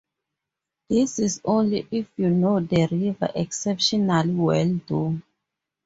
This is only if you know the river exceptionally well though.